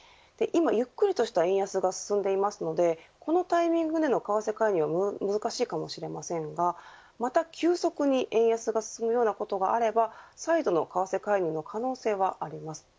ゆっくりとした円安が進んでいるのでこのタイミングでの為替介入は難しいかもしれませんがまた急速に円安が進むようなことがあれば再度の為替介入の可能性はあります。